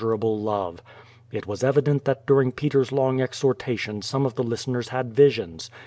'<urable love. It was evident that during J'eler's long exhortation some of the listeners had visions.